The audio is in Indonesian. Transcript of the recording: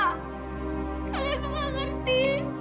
kalian tuh gak ngerti